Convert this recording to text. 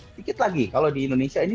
sedikit lagi kalau di indonesia ini